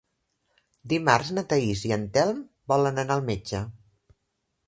Dimarts na Thaís i en Telm volen anar al metge.